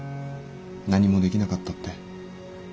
何もできなかったって。